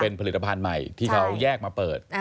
เป็นผลิตภัณฑ์ใหม่ที่เขาแยกมาเปิด